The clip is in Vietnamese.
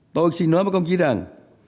tôi xin nói với công chí rằng